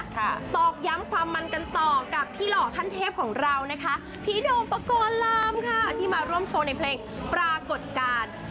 ตอกย้ำความมันกันต่อกับพี่หล่อขั้นเทพของเรานะคะพี่โดมปกรณ์ลามค่ะที่มาร่วมโชว์ในเพลงปรากฏการณ์